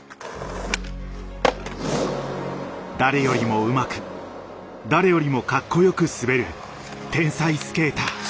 誰よりもうまく誰よりもかっこよく滑る天才スケーター。